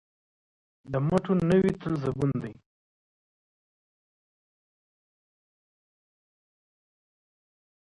د مټو نه وي تل زبون دی